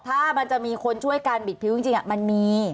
ถ้ามันจะมีคนช่วยการบิดพิ้วจริงมันมี